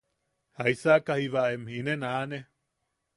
¿Jaisaka jiiba em inen aane?